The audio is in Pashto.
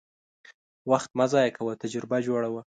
وخت مه ضایع کوه، تجربه جوړه وه.